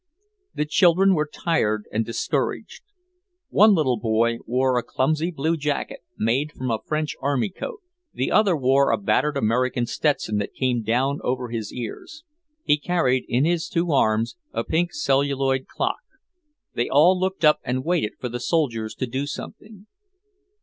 The children were tired and discouraged. One little boy wore a clumsy blue jacket, made from a French army coat. The other wore a battered American Stetson that came down over his ears. He carried, in his two arms, a pink celluloid clock. They all looked up and waited for the soldiers to do something.